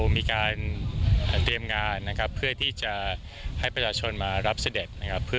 โดยก่อนหน้านี้มีการเสด็จ